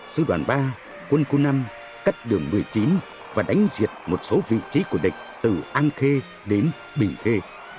sư đoàn ba quân khu năm cắt đường một mươi chín và đánh diệt một số vị trí của địch từ an khê đến bình thê